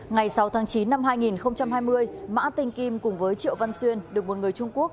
ngày sáu tháng chín năm hai nghìn hai mươi mã tinh kim cùng với triệu văn xuyên được một người trung quốc